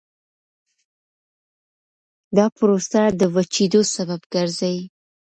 دا پروسه د وچېدو سبب ګرځي.